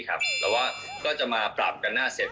ก็จะมาปรับกันหน้าเสร็จ